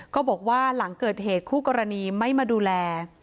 ก็บอกว่าหลังเกิดเหตุคู่กรณีไม่มาดูแล